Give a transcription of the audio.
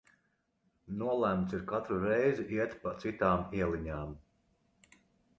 Nolemts ir katru reizi iet pa citām ieliņām.